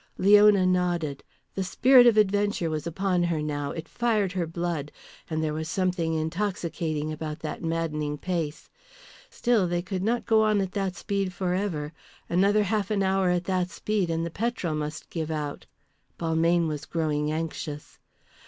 Leona nodded, the spirit of adventure was upon her now, it fired her blood. And there was something intoxicating about that maddening pace. Still, they could not go on at that speed for ever. Another half an hour at that speed and the petrol must give out. Balmayne was growing anxious.